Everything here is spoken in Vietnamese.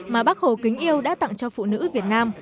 mà bác hồ kính yêu đã tặng cho phụ nữ việt nam